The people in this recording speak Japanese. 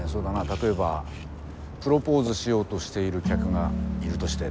例えばプロポーズしようとしている客がいるとして。